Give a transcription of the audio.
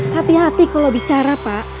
berhenti kalau bicara pak